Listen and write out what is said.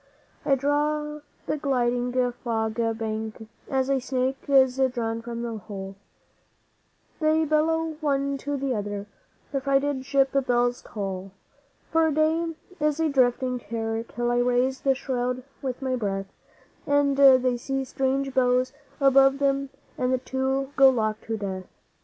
'I draw the gliding fog bank as a snake is drawn from the hole, They bellow one to the other, the frighted ship bells toll, For day is a drifting terror till I raise the shroud with my breath, And they see strange bows above them and the two go locked to death.